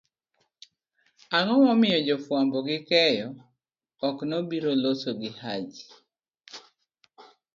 ang'o momiyo jofwambo gi keyo ok nobiro losogihaji?